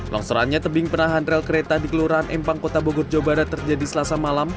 longsorannya tebing penahan rel kereta di kelurahan empang kota bogor jawa barat terjadi selasa malam